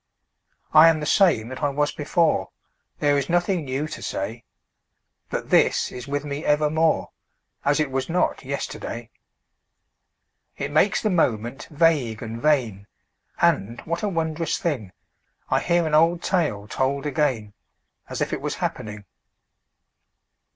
I am the same that I was before, There is nothing new to say; But this is with me evermore, As it was not yesterday; It makes the Moment vague and vain, And (what a wondrous thing!) I hear an old tale told again As if it was happening.